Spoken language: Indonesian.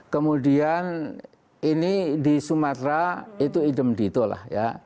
kemudian ini di sumatera itu idem di itulah